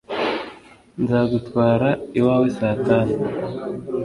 Nzagutwara iwawe saa tanu.